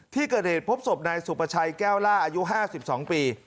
ที่เกิดเหตุพบศพนายสุภาชัยแก้วล่าอายุห้าสิบสองปี